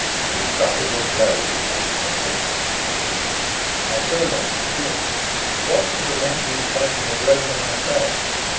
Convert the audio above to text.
"We struck a good blow for the King tonight," said he. I turned on him fiercely. "What's to prevent me striking a blow for myself?"